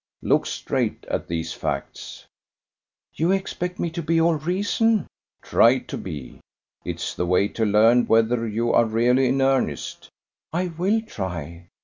Look straight at these facts." "You expect me to be all reason!" "Try to be. It's the way to learn whether you are really in earnest." "I will try.